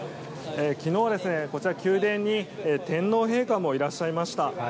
昨日はこちら、宮殿に天皇陛下もいらっしゃいました。